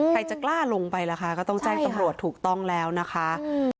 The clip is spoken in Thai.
ใครจะกล้าลงไปล่ะคะก็ต้องแจ้งตำรวจถูกต้องแล้วนะคะอืม